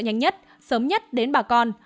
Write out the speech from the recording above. nhanh nhất sớm nhất đến bà con